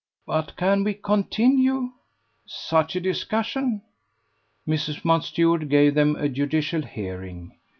"But can we continue ...?" "Such a discussion!" Mrs. Mountstuart gave them a judicial hearing.